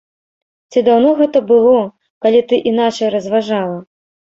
Ці даўно гэта было, калі ты іначай разважала?